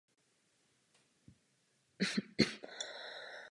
Mám-li mluvit za sebe, jsem zastáncem odstupňovaného přístupu.